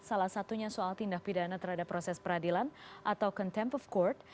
salah satunya soal tindak pidana terhadap proses peradilan atau contempt of court